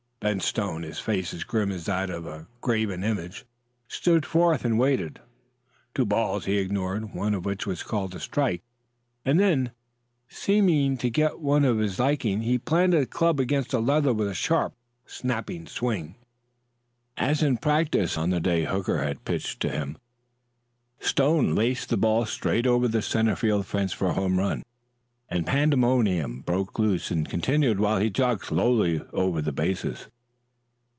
Ben Stone, his face as grim as that of a graven image, stood forth and waited. Two balls he ignored, one of which was called a strike; and then, seeming to get one to his liking, he planted the club against the leather with a sharp, snapping swing. As in practice on the day Hooker had pitched to him, Stone laced the ball straight over the center field fence for a home run, and pandemonium broke loose and continued while he jogged slowly over the bases.